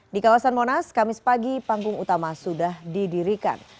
di kawasan monas kamis pagi panggung utama sudah didirikan